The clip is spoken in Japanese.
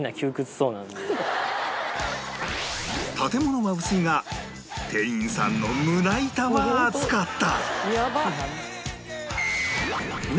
建物は薄いが店員さんの胸板は厚かった